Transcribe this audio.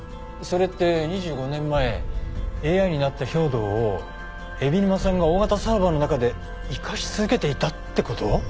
それって２５年前ＡＩになった兵働を海老沼さんが大型サーバーの中で生かし続けていたって事？